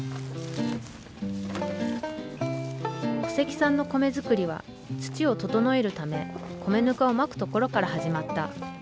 古関さんの米作りは土を調えるため米ぬかをまくところから始まった。